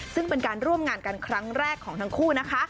ซึ่งเป็นการร่วมงานกันครั้งแรกของทั้งคู่นะคะ